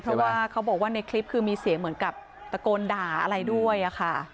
เพราะว่าเขาบอกว่าในคลิปคือมีเสียงเหมือนกับตะโกนด่าอะไรด้วยค่ะ